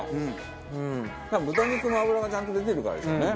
豚肉の脂がちゃんと出てるからでしょうね。